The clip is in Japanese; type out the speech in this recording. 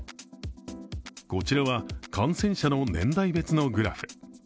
こちらは感染者の年代別のグラフ。